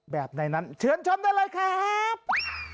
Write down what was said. แบบไหนนั้นเชิญชมได้เลยครับ